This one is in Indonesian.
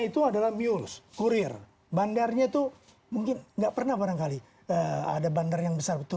itu adalah miur kurir bandarnya itu mungkin enggak pernah barangkali ada bandar yang besar